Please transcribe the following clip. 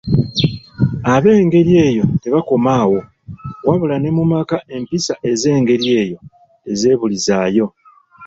Ab'engeri eyo tebakoma awo, wabula ne mu maka empisa ez'engeri eyo tezeebulizaayo.